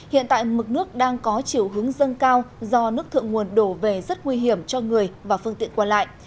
hiện tại mực nước đang có chiều hướng dâng cao do nước thượng nguồn đổ về rất nguy hiểm cho người và phương tiện qua lại